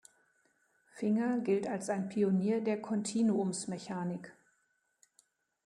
Finger gilt als ein Pionier der Kontinuumsmechanik.